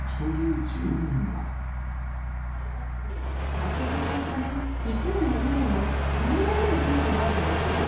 場所取りのため、１年も２年も、３年目のテントもあるのですよ。